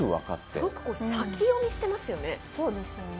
すごく先読みしてますよね。